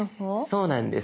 そうなんです。